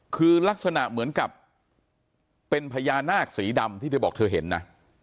คือลักษณะเหมือนกับเป็นพญานาคสีดำที่เธอบอกเธอเห็นนะ